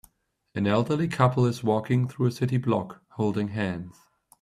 An elderly couple is walking through a city block, holding hands.